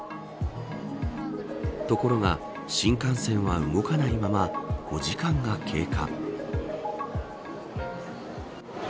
ところが、新幹線は動かないまま５時間が経過。